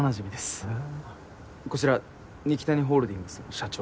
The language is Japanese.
こちら二木谷ホールディングスの社長。